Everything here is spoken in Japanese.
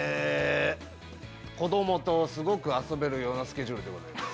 子供とすごく遊べるようなスケジュールでございます。